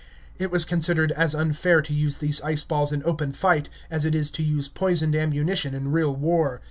It was considered as unfair to use these ice balls in open fight, as it is to use poisoned ammunition in real war.